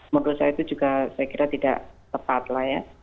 menurut saya itu juga saya kira tidak tepat lah ya